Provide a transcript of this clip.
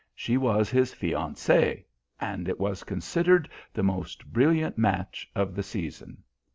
She was his fiancée, and it was considered the most brilliant match of the season.